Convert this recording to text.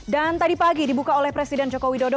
dan tadi pagi dibuka oleh presiden joko widodo